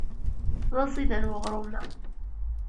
D aẓidan weɣrum-a.